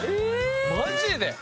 マジで？